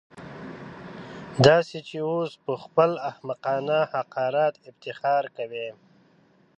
داسې چې اوس پهخپل احمقانه حقارت افتخار کوي.